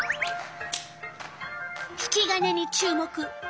引き金に注目。